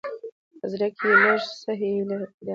په زړه، کې يې لېږ څه هېله پېدا شوه.